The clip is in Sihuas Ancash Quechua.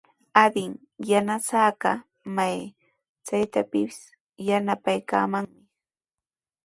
Adin yanasaaqa may chaytrawpis yanapaykamanmi.